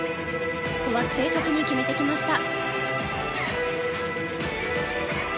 ここは正確に決めてきました。